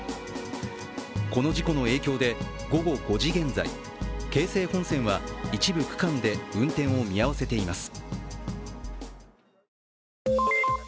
この事故の影響で午後５時現在、京成本線は一部区間で運転を見合わせています。